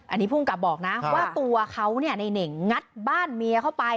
อันนี้ภูมิกับบอกนะว่าตัวเขาเนี่ยในเน่งงัดบ้านเมียเข้าไป